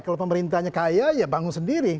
kalau pemerintahnya kaya ya bangun sendiri